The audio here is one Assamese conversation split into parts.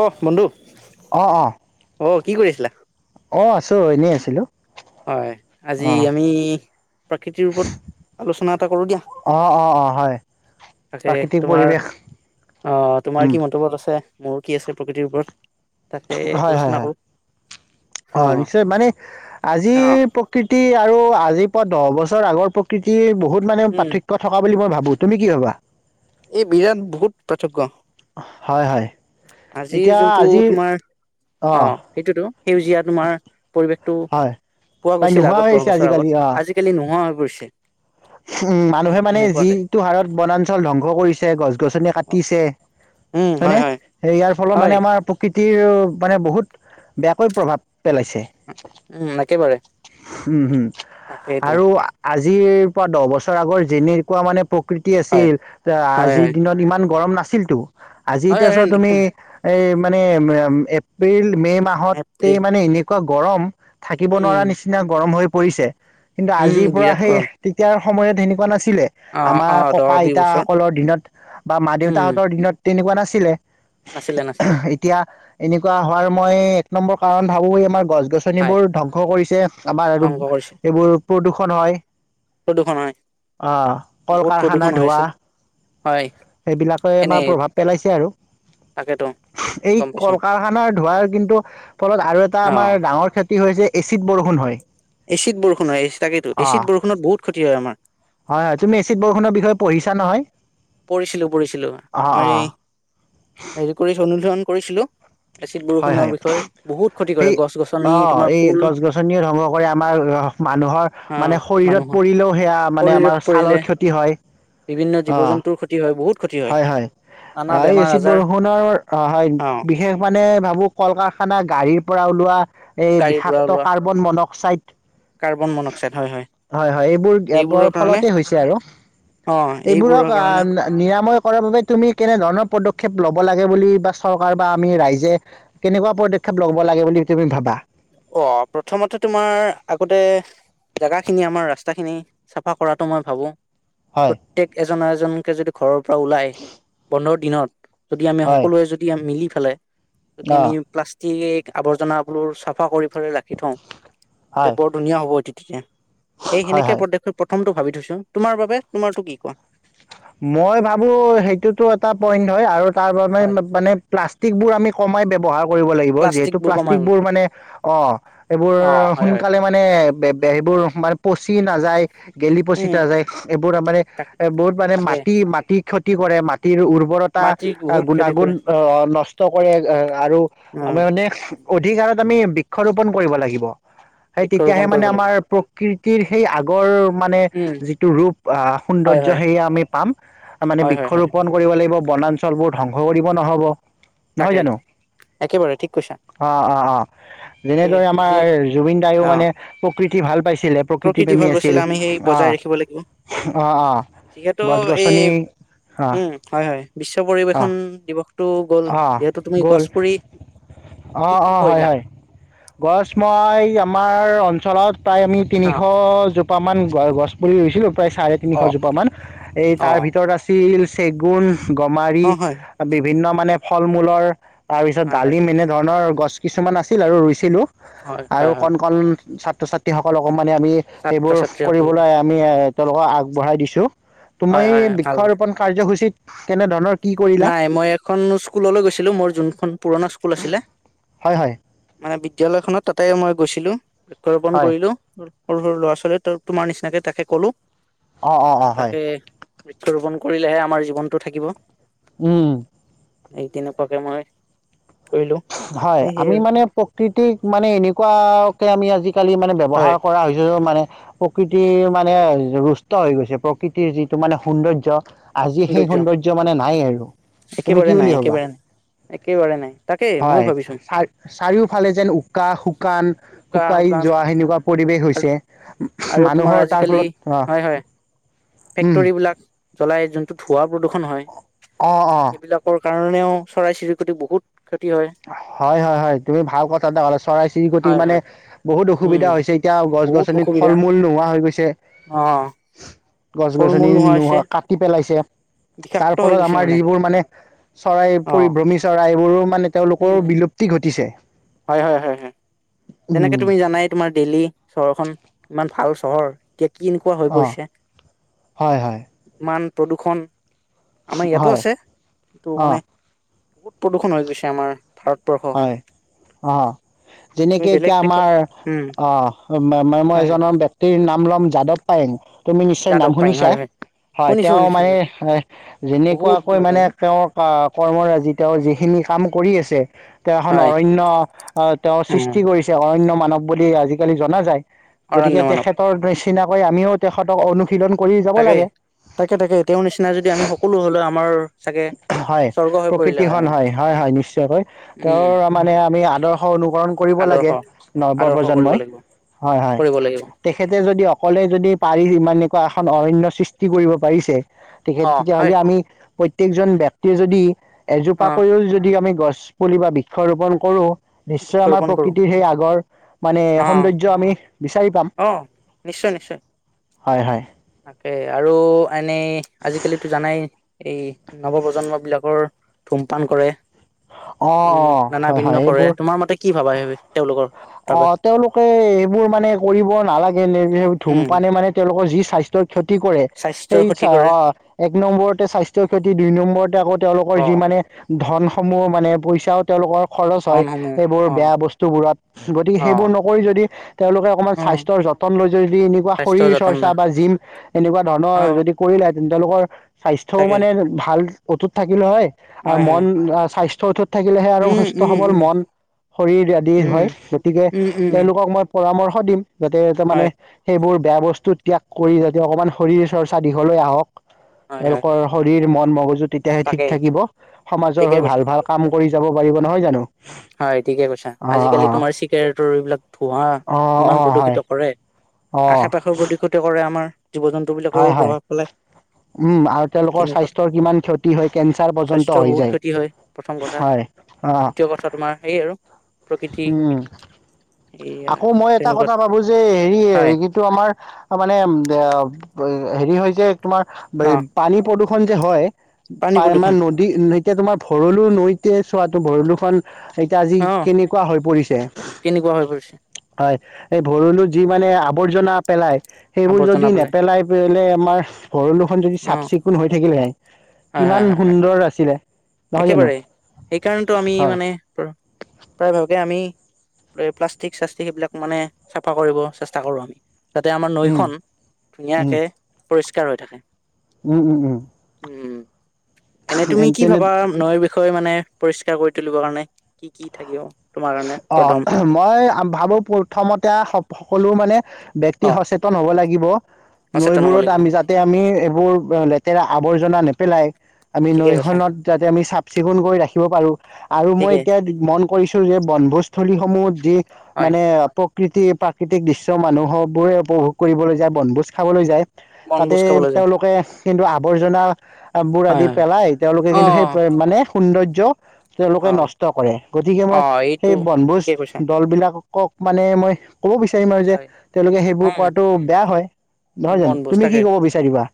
অ বন্ধু অ অ ঐ- কি কৰি আছিলা? অ আছোঁ এনেই আছিলোঁ। হয় আজি আমি প্ৰাকৃতিৰ ওপৰত আলোচনা এটা কৰো দিয়া অ অ অ হয় তাকে প্ৰাকৃতিক তোমাৰ পৰিৱেশ আহ তোমাৰ উম কি মন্তব্যত আছে- মোৰো কি আছে প্ৰকৃতিৰ ওপৰত তাকে হয় হয় আলোচনা হয় কৰো অ নিশ্চয় মানে আজি অ এ প্ৰকৃতি আৰু আজি পুৱা দহ বছৰ আগৰ প্ৰকৃতি বহুত মানে উম পাৰ্থক্য থকা বুলি মই ভাবোঁ তুমি কি ভাবা? এই বিৰাণ বহুত পাৰ্থক্য হয় হয় আজিৰ এতিয়া যোনটো আজিৰ তোমাৰ অ সেইটোতো সেউজীয়া তোমাৰ পৰিৱেশ টো হয় পোৱা প্ৰায় গৈছিল নোহোৱা হৈ আগত দহ আহিছে বছৰ আজিকালি আগত অ আজিকালি নোহোৱা হৈ গৈছে উম মানুহে মানে যিটো হাৰত বনাঞ্চল ধ্বংস কৰিছে গছ গছনি এ অ কাটিছে হয় নে সে ইয়াৰ ফলত হয় মানে আমাৰ প্ৰকৃত প্ৰকৃতিৰ মানে বহুত বেয়াকৈ প্ৰভাৱ পেলাইছে। উম একেবাৰে উম হম তাকেইতো আৰু আজি যিয়ে দহ বছৰ আগৰ যেনেকুৱা মানে প্ৰকৃতি হয় আছিল হয় আজিৰ হয় দিনত ইমান গৰম না আছিলতো আজি এতিয়া হয় চোৱা তুমি একদম এই', মানে উ', এপ্ৰিল মে' মাহতে এপ্ৰিল মানে এনেকুৱা গৰম থাকিব নোৱাৰা উম নিচিনা গৰম হৈ পৰিছে। কিন্তু উম, আজিৰ পৰা বিৰাট সেই গৰম ইয়াৰ সময়ত তেনেকুৱা নাছিল। নাছিলে অ', আমাৰ অ', দহ ককা বিশ বছৰ আইতাসকলৰ দিনত বা মা উম, দেউতাহতৰ দিনত তেনেকুৱা নাছিলে। নাছিলে নাছিলে ছিলে। এতিয়া এনেকুৱা হোৱাৰ মই এক নম্বৰ কাৰণ ভাবোঁ এই আমাৰ গছ হয় গছনিবোৰ ধ্বংস কৰিছে আমাৰ আৰু ধ্বংস কৰিছিল এইবোৰ প্ৰদূষণ হয় প্ৰদূষণ হয় অ কল বহুত প্ৰদূষণ কাৰখানাৰ হৈ ধোৱা আছিল হয় সেইবিলাকে আমাৰ এনেই প্ৰভাৱ পেলাইছে আৰু তাকেতো এই গম পাইছো কল কাৰখানা ধোবাই কিন্তু ফলত আৰু এটা অ', আমাৰ ডাঙৰ ক্ষতি হৈছে এচিড বৰষুণ হয়। এচিড বৰষুণ হয় তাকেইেতো অঁ এচিড বৰষুণত বহুত ক্ষতি হয় আমাৰ। হয় তুমি এচিড বৰষুণৰ বিষয়ে পঢ়িছা নহয়? পঢ়িছিলো পঢ়িছিলো অঁ মই অঁ হেৰি কৰি থ'লো কৰিছিলো। এচিড হয় বৰষুণৰ হয় বিষয়ে বহুত ক্ষতি কৰে সেই গছ গছনি অ তোমাৰ এই ফুল গছ গছনিও ধংস কৰে আমাৰ মানুহৰ মানে অ', শৰীৰত মানুহৰ পৰিলেও সেয়া মানে আমাৰ শৰীৰত ছালৰ পৰিলে ক্ষতি হয় বিভিন্ন জীৱ অ। জন্তুৰ ক্ষতি হয় বহুত ক্ষতি হয় হয় নানা এই বেমাৰ এচিড আজাৰ বৰষুণৰ অ হয় অ', বিশেষ মানে ভাব এইবোৰ কল কাৰখানা গাড়ীৰ পৰা ওলোৱা এই গাড়ীৰ পৰা বিষাক্ত ওলোৱা কাৰ্বন মনক চাইদ কাৰ্বন মনক্সাইড হয় হয় হয় এইবোৰৰ এইবোৰ কাৰণে ফলতে হৈছে আৰু অ এইবোৰক এইবোৰৰ কাৰণে নিৰা তাৰ বাবে তুমি কেনে ধৰণৰ পদক্ষেপ লব লাগে বুলি বা চৰকাৰ বা আমি ৰাইজে কেনেকুৱা পদক্ষেপ লব লাগে বুলি তুমি ভাবা? অ প্ৰথমতে তোমাৰ আগতে জাগাখিনি আমাৰ ৰাস্তা খিনি চাফা কৰাটো মই ভাবো। হয় প্ৰত্যেক এ এজন এজনকে যদি ঘৰৰ পৰা ওলাই বন্ধত দিনত যদি আমি হয় সকলোৱে যদি মিলি খালে যদি অ আমি প্লাষ্টিক আৱৰ্জনাবোৰ চাফ চাফা কৰি পেলাই ৰাখি থওঁ তে হয় বৰ ধুনীয়া হ'ব এ ঠিকেই হয় সেইখিনিকে হয় পদক্ষেপ প্ৰথমটো ভাবি থৈছো তোমাৰ বাবে তোমাৰটো কি কোৱা? মই ভাবো সেইটোতো এটা পইন্ট হয় আৰু তাৰে হয় মানে প্লাষ্টিকবোৰ আমি কমাই ব্যৱহাৰ কৰিব লাগিব যিহেতু প্লাষ্টিকবোৰ কমাই প্লাষ্টিকৰ মানে অ সেই বোৰ অ হয় হয় সোনকালে মানে, সেইবোৰ মানে পচি নাযায় গেলি পচি উম নাযায় এইবোৰ ত মানে তাকে এ বহুত মানে তাকে মাটি মাটি কি ক্ষতি কৰে মাটিৰ উৰ্বৰতা মাটিৰ বহুত ক্ষতি গুণাগুণ কৰে অহ নষ্ট কৰে আৰু অ আমাৰ মানে অধিক হাৰত আমি বৃক্ষৰোপন কৰিব লাগিব। সেই বৃক্ষৰোপন তেতিয়াহে মানে কৰিব আমাৰ লাগিব প্ৰকৃতি সেই আগৰ মানে উম যিটো ৰূপ আহ হয় সৌন্দৰ্য হয় সেয়া, পাম মানে হয় বৃক্ষ হয় হয় ৰোপন কৰিব লাগিব বনাঞ্চলবোৰ ধ্বংস কৰিব নহ'ব নহয় তাকে জানো একেবাৰে ঠিক কৈছা অ অ অ তাকে যেনেদৰে আমাৰ যিহেতু জুবিন দায়েও অ মানে- প্ৰকৃতি ভাল পাইছে আছিলে প্ৰকৃতি প্ৰেমী ভাল আছিল। পাইছিলে আমি সেই বজাই অ', ৰাখিব লাগিব অ'-অ'। এই, যিহেতু উম হয়-হয় বিশ্ব অ পৰিবেশন দিৱস। অ গ'ল, কি কি কৰিলা অ-অ-হয়-হয়। গছ মই আমাৰ অঞ্চলত প্ৰাই আমি অ তিনিশ প মান গছ পুলি ৰুৈছিলো চাৰে তিনিশ অ জোপা মান, এই অ তাৰে ভিতৰত আছিল চেগুন গমাৰি, অ হয় আ বি ভিন্ন মানে ফল মূলৰ তাৰ পিছত হয় হয় ডালিম এনে ধৰণৰ গছ কিছুমান আছিল আৰু ৰুইছিলো হয় আৰু হয় হয় কণ- কণ ছাত্ৰ ছাত্ৰীসকলক মানে আমি ছাত্ৰ সেইবোৰ ছাত্ৰীসকলকো কৰিবলৈ আমি তেওঁলোকক আগবঢ়াই দিছো। তুমি হয় হয় ভাল কথা বৃক্ষৰোপন কাৰ্যসূচীত কেনে ধৰণৰ নাই মই এক এখন স্কুললৈ গৈছিলো মোৰ যোনখন পুৰণা স্কুল আছিলে। হয় হয় মানে বিদ্যলয়খনত তাতে মই গৈছিলো। বৃক্ষৰোপণ হয় কৰিলো সৰু সৰু ল'ৰা ছোৱালীয়ে তোমাৰ নিচিনাকে তাকে কলো অ অ অ হয়। বৃক্ষ ৰোপন কৰিলেহে আমাৰ জীৱনতটো থাকিব উম। এই তেনেুৱাকে মই কৰিলো হয় এই সেই আমি মানে প্ৰকৃতিক মানে এনেকুৱা আমি আজি কালি মানে হয় ব্যৱহাৰ কৰা হৈছো মানে প্ৰকৃতি মানে ৰৰুষ্ট হৈ গৈছে প্ৰকৃতিৰ যিটো মানে সৌন্দৰ্য্য আজি সেই সৌন্দৰ্য মানে নাই আৰু তুমি কি একেবাৰে নাই, বুলি ভাবা একেবাৰে নাই। একে বাৰে নাই। তাকেই মই হয় ভাবিছো চাৰিওফালে যেন উকা শুকান উকা শুকাই শুকান যোৱা সেনেকুৱা পৰিৱেশ আৰু হৈছে তোমাৰ মানুহৰ তাৰ আজিকালি ফলত হয় হয় অহ উম উম। ত ধোৱা প্ৰদূষণ হয় অহ অহ। সেইবিলাকৰ কাৰণেও চৰাই চিৰিকটি বহুত ক্ষতি হয় হয় হয় হয় তুমি ভাল কথা এটা কলা চৰাই চিৰিকটিৰ হয় মানে হয় বহুত উম অসুবিধা হৈছে এতিয়া গছ বহুত গছনিত ফল অসুবিধা মূল নোহোৱা হৈ গৈছে, অ গছ ফল গছনি মূল নোহোৱা হৈছে কাটি পেলাইছে তাৰ বিষাক্ত হৈ ফলত গৈছে আমাৰ যিবোৰ মানে চৰাই অ পৰি ভ্ৰমি চৰাই, সৰু মানে তেওঁলোকৰ উম বিলুপ্তি ঘটিছে, তেনেকে উম, তুমি জানাই তোমাৰ দেইলী চহৰখনন ইমান ভাল চ এতিয়া কি এনেকুৱা হৈ অ', পৰিছে হয়, হয়, ইমান প্ৰদূষণ আমাৰ ইয়াতো হয়, আছে যিটো মানে অ', বহুত প্ৰদূষণ হৈ গৈছে আমাৰ ভাৰতবৰ্ষখন হয় অ তুমি যেনেকে বেলেগ এতিয়া দেশত আমাৰ উম অ মই হয় হয় এজনৰ ব্যক্তিৰ নাম লম যাদৱ পায়েং তুমি নিশ্চয় নাম যাদৱ পায়ং শুনিছা হয় হয় হয় শুনিছো তেওঁ শুনিছো মানে শুনিছো বহুত যেনেকুৱাকৈ লাগে মানে ন তেওঁ কৰ্মৰাজি তেওঁ যিখিনি কাম কৰি আছে তেওঁ এখন হয় অৰণ্য তেওঁ উম সৃষ্টি কৰিছে অৰণ্য মানৱ বুলি আজিকালি জনা যায় গতিকে অৰণ্য মানৱ তেখেতৰ নি চিনাকৈ আমিও তেখেতক অনুশীলন কৰি যাব তাকে লাগে তাকে তাকে তেওঁৰ নিচিনা যদি আমি সকলো হলে আমাৰ চাগে হয় স্বৰ্গ হৈ পৰিলে প্ৰকৃতিখন আমাৰ হয় হয় হয় নিশ্চয়কৈ উম তেওঁৰ মানে আমি আদৰ্শ অনুকৰ ণ কৰিব আদৰ্শ লাগে নৱ আদৰ্শ কৰিব প্ৰজন্মই লাগিব হয় হয় কৰিব লাগিব তেখেতে যদি অকলে যদি পাৰি ইমান এনেকুৱা এখন অৰণ্য সৃষ্টি কৰিব পাৰিছে তেখেত অ হয় তেতিয়াহ'লে আমি প্ৰত্যেকজন ব্যক্তিয়ে যদি অ এজোপাকৈ ও যদি আমি গছ পুলি বা বৃক্ষ ৰোপণ কৰোঁ নিশ্চয় আমাৰ বৃক্ষৰোপণ কৰো প্ৰকৃতিৰ সেই আগৰ মানে অ সৌন্দৰ্য আমি বিচাৰি পাম। অ নিশ্চয় নিশ্চয় হয় হয়। তাকে আৰু এনেই আজিকালিতো জানাই এই নৱপ্ৰজন্ম বিলাকৰ ধূমপান কৰে অঁ উম অঁ নানা হয় ভিন্ন হয় কৰে এইবোৰ তোমাৰ মতে কি ভাবা সেই তেওঁলোকৰ? অ বাবে তেওঁলোকে এইবোৰ মানে কৰিব নালাগে উম ধূমপানে মানে তেওঁ লোকৰ যি স্বাস্থ্য ক্ষতি কৰে স্বাস্থ্যৰ সেই ক্ষতি কৰে এক নম্বৰতে স্বাস্থ্য ক্ষতি দুই নম্বৰতে আকৌ তেওঁলোকৰ অ যি মানে ধন সমূহ মানে পইচাও তেওঁলোকৰ খৰচ হয়, ধনসমূহ এইবোৰ অ বেয়া বস্তুবোৰত। গতিকে, অ সেইবোৰ নকৰি যদি তেওঁলোকে অকমান অ স্বাস্থ্য যতন লৈ, যদি এনেকুৱা স্বাস্থ্যৰ শৰীৰ যতন চৰ্চা লয় বা জিম এনেকুৱা অ ধৰণৰ যদি কৰিলা। চিন্তা লাগে। [inaudible] স্বাস্থ্যও তাকেই মানে ভাল কটুথ থাকিলে হয়। আৰু হয় মন হয় স্বাস্থ্য থওঁ তাত। [inaudible] থাকিলেহে আৰু উম সুস্থ উম সৱল উম মন শৰীৰ আদি উম হয়। গতিকে উম উম তেওঁলোকক মই পঢ়াও পৰামৰ্শ দিম যাতে এটা মানে হয় সেইবোৰ বেয়া বস্তু ত্যাগ কৰি যাতে অকণমান শৰীৰ চৰ্চা দীঘলৈ আহক। হয় হয় তেওঁলোকৰ শৰীৰ মন মগজুত তেতিয়াহে ঠিক তাকেই থাকিব। সমাজৰ ঠিকে হৈ ভাল কৈছা ভাল কাম কৰি যাব পাৰিব নহয় জানো। হয় ঠিকে কৈছা আজি অঁ কালি অঁ তোমাৰ চি গেৰেটৰ বিলাক ধোঁৱা অঁ ইমান অঁ হয় প্ৰদূষিত কৰে। অঁ আশে পাশেও প্ৰদূষিত কৰে আমাৰ। জীৱ জন্তু বিলাকৰো হয়, হয়, প্ৰভাৱ পেলাই ওম আৰু তেওঁলোকৰ তেনেকুৱাত স্বাস্থ্যৰ কিমান ক্ষতি হয়, ‌ কেঞ্চাৰ পৰ্যন্ত স্বাস্থ্যৰ হৈ বহুত যায় ক্ষতি হয় প্ৰথম হয় অ। কি আৰু? প্ৰকৃতি ওম এইয়া আকৌ মই এটা তেনেকুৱাত কথা ভাবো যে হেৰি হয় যিটো আমাৰ মানে এ হেৰি হৈছে তোমাৰ অ পানী প্ৰদূষণ ষন যে হয় পানী পাওনা প্ৰদূষণ নদী এতিয়া তোমাৰ ভৰলু নৈত এই চোৱাতটো ভৰলুখন এতিয়া আজি অ কেনেকুৱা হৈ পৰিছে। কেনেকুৱা হৈ পৰিছে এই ভৰলু যি মানে আৱৰ্জনা পেলাই সেইবোৰ আৱৰ্জনা যদি পেলাই নেপেলাই পেলে আমাৰ ভৰলুখন যদি অ চাফ চিকুণ হৈ থাকিলে হয় হয় কিমান হয় হয় সুন্দৰ আছিলে নহয় জানো একেবাৰে সেইকাৰণেতো আমি হয় মানে প্ৰায় ভাগকে আমি প্লাষ্টিক চাষ্টিক সেইবিলাক মানে চাফা কৰিব চেষ্টা কৰো আমি যাতে আমাৰ উম নৈখন উম ধুনীয়াকে পৰিষ্কাৰ হৈ থাকে উম উম উম। উম। এনে তুমি কি তেনে ভাব নৈৰ বিষয়ে মানে পৰিষ্কাৰ কৰি তুলিব কাৰণে কি কি থাকিব? তোমাৰ কাৰণে অ প্ৰথম মই ভাবো প্ৰথমতে স সকলো মানে ব্যক্তি অ সচেতন হ'ব লাগে লাগিব সচেতন হ'ব নৈবোৰত লাগিব আমি যাতে আমি এইবোৰ লেতেৰা আৱৰ্জনা নেপ পেলাই আমি ঠিকে নৈ কৈছা খনত যাতে আমি চাফ চিকুণ কৰি ৰাখি খিব পাৰো আৰু মই ঠিকে এতিয়া মন কৰিছো যে বনভোজস্থলীসমূহত যি হয় মানে আপক প্ৰকৃতি প্ৰাকৃতিক দৃশ্য মানুহবোৰে উপভোগ কৰিবলৈ যায় বনভোজ খাবলৈ যায় তাতে বনভোজ খাবলৈ যায় তেওঁলোকে কিন্তু আৱৰ্জনা বোৰ হয় আদি হয় পেলাই তেওঁলোকে অ কিন্তু সেই মানে সৌন্দৰ্য্য য় তেওঁলোকে হয় নষ্ট কৰে গতিকে অ মই এইটো সেই বনভোজ ঠিকে কৈছা দলবিলাক কওঁক মানে মই। ক'ব বিচাৰিম আৰু যে হয় তেওঁলোকে সেইবোৰ উম কৰাটো বেয়া হয় নহয় জানো বনভোজ তুমি তাকে কি ক'ব বিচাৰিবা।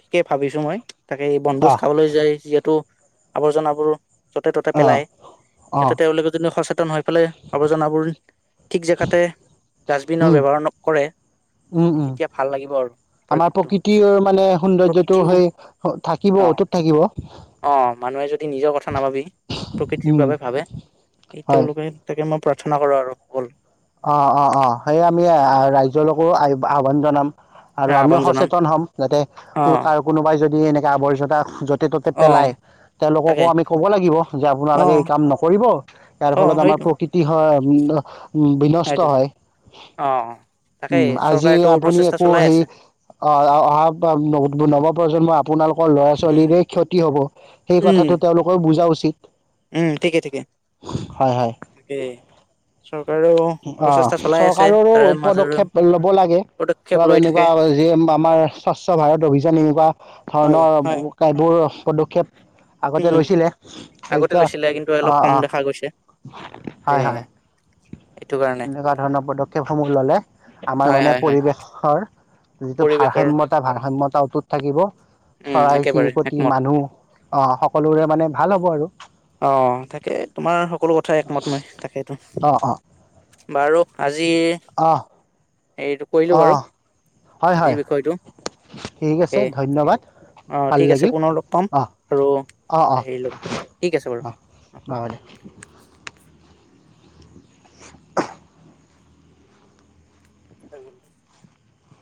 ঠিকেই ভাবিছো মই। তাকে বনভোজ অ খাবলৈ যায় যিহেতু। আৱৰ্জন বোৰ। য'তে ত'তে পেলায় অ সিহঁতে তেওঁলোকে যদি সচেতন হৈ পেলাই অৰ্বজনাবোৰ। ঠিক জেগাতে ডাষ্টবিনৰ উম ব্যৱহাৰ নকৰে। উম উম তেতিয়া ভাল লাগিব আৰু আমাৰ পৰিৱেশটো প্ৰকৃতিৰ মানে সৌন্দৰ্যটো প্ৰকৃতিও সেই থাকিব অঁ অটুত থাকিব অঁ মানুহে যদি নিজৰ কথা নাভাবি প্ৰকৃতিৰ কথা উম বাবে ভাবে হয় তেওঁলোকে তাকে মই। ৰচনা কৰো আৰু। ব'ল। অঁ অঁ অঁ সেইয়ে আমি ৰাৱণ ৰাইজৰলৈকো আহ্বান জনাম আৰু আমিও জনম সচেতন হ'ম যাতে অ কাৰ কোনোবাই যদি এনে। আৱশ্যকতা। য'তে -ত'তে অ পেলাই তেওঁলোককো তাকে আমি ক'ব লাগিব যে অ আপোনালোকে কাম নকৰিব ইয়াৰ অ ফলত আমাৰ হয়তো প্ৰকৃতি হয়। উম। উম বিনষ্ট হয়তো হয় অ তাকেই উম আজি চৰকাৰেতো আপুনি প্ৰচেষ্টা একো চলাই সেই আছে অঁ অহা নৱপ্ৰজন্ম আপোনালোকৰ ল'ৰা উম ছোৱালীৰে ক্ষতি হব সেই উম কথাটোটো তেওঁলোকেও বুজা উচিত। উম ঠিকে ঠিকে হয় হয় তাকে চৰকাৰেও। প্ৰচেষ্টা অঁ চলাই আছে চৰকাৰৰো তাৰে মাজেৰে পদক্ষেপ ল'ব লাগে পদক্ষেপ অলপ লৈ থাকে এনেকুৱা যে আমাৰ স্বচ্ছ ভাৰত অভিযান এনেকুৱা হয় হয় ধৰণৰ। পদক্ষেপ। আগতে উম লৈছিলে আগতে এতিয়া লৈছিলে কিন্তু অলপ অঁ কম অঁ দেখা গৈছে হয় সেয়ে হয়। এইটো কাৰণে এনেকুৱা ধৰণৰ পদক্ষেপ সমূহ ললে আমাৰ হয় মানে হয় হয় পৰিৱেশৰ যিটো পৰিৱেশৰ ভাৰসাম্যতাৰ ভাৰ। সাম্যতা অটুট থাকিব। উম চৰাই একেবাৰে চিৰিকটি একমত মানুহ অঁহ সকলোৰে মানে। ভাল হ'ব আৰু। অঁ তাকে তোমাৰ সকলো কথা একমত নহয় তাকেইটো। অ', অ', আৰু আজি। আজি অ', হেৰিটো কৰিলোঁ বাৰু অ', হয়, আজিৰ হয় বিষয়টো ঠিক আছে তাকেই ধন্যবাদ অ ভাল ঠিক আছে লাগিল পুনৰ লগ পাম আৰু এটা হেৰি ল'ম। ঠিক আছে বাৰু। অঁ হব দে। ওহ [unintelligible]